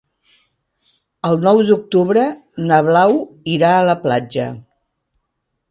El nou d'octubre na Blau irà a la platja.